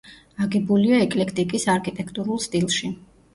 აგებულია ეკლექტიკის არქიტექტურულ სტილში.